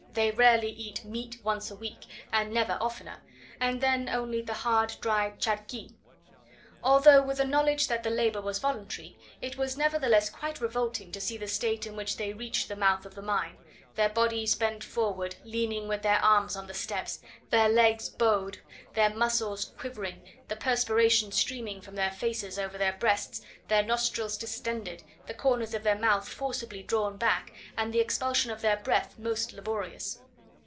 They rarely eat meat once a week, and never oftener, and then only the hard dry charqui. Although with a knowledge that the labour was voluntary, it was nevertheless quite revolting to see the state in which they reached the mouth of the mine; their bodies bent forward, leaning with their arms on the steps, their legs bowed, their muscles quivering, the perspiration streaming from their faces over their breasts, their nostrils distended, the corners of their mouth forcibly drawn back, and the expulsion of their breath most laborious.